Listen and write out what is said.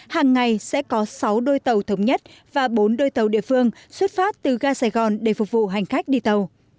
hàng ngày sẽ có sáu đôi tàu thống nhất và bốn đôi tàu địa phương xuất phát từ ga sài gòn để phục vụ hành khách đi tàu